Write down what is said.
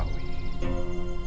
aku akan mencoba